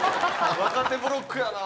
若手ブロックやなぁ。